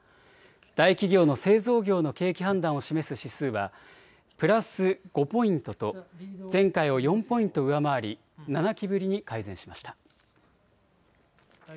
大企業の製造業の景気判断を示す指数はプラス５ポイントと前回を４ポイント上回り７期ぶりに改善しました。